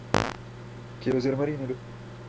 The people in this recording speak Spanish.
¡Quiero ser marinero!